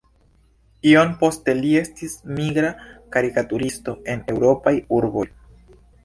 Iom poste li estis migra karikaturisto en eŭropaj urboj.